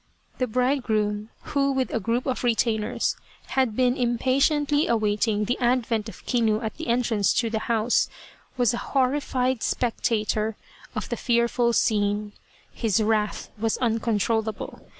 The bridegroom, who with a group of retainers had been impatiently awaiting the advent of Kinu at the entrance to the house, was a horrified spectator of the fearful scene. His wrath was uncontrollable.